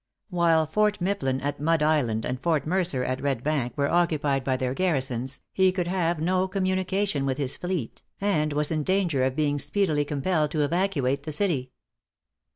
While Fort Mifflin at Mud Island, and Fort Mercer at Red Bank, were occupied by their garrisons, he could have no communication with his fleet, and was in danger of being speedily compelled to evacuate the city.